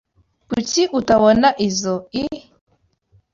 Kuki utabona izoi?